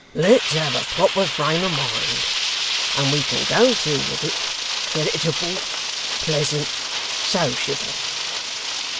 Let's have a proper frame of mind, and we can go through with it, creditable pleasant sociable.